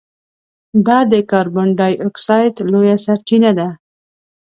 دا د کاربن ډای اکسایډ لویه سرچینه ده.